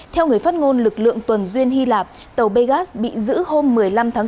theo người phát ngôn lực lượng tuần duyên hy lạp tàu begas bị giữ hôm một mươi năm tháng bốn